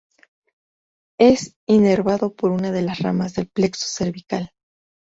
Es inervado por una de las ramas del plexo cervical.